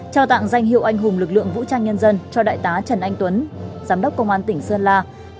trao tặng danh hiệu anh hùng lực lượng vũ trang nhân dân cho đại tá trần anh tuấn giám đốc công an tỉnh sơn la